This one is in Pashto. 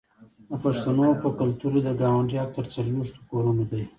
د پښتنو په کلتور کې د ګاونډي حق تر څلوېښتو کورونو دی.